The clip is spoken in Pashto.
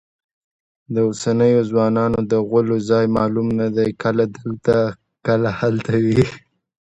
د اوسنیو ځوانانو د غولو ځای معلوم نه دی، کله دلته کله هلته وي.